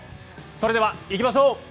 それではいきましょう。